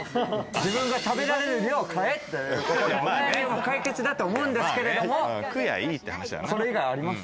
自分が食べられる量、買えってことで解決だと思うんですけど、それ以外あります？